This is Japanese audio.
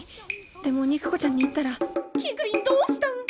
でも肉子ちゃんに言ったらキクリンどうしたん！